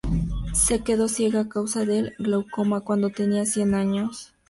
Se quedó ciega a causa del glaucoma cuando tenía cien años.